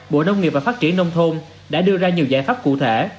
bộ nông nghiệp và phát triển nông thôn đã đưa ra nhiều giải pháp cụ thể